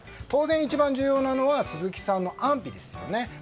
当然、一番重要なのは鈴木さんの安否ですね。